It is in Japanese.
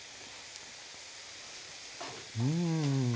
うん！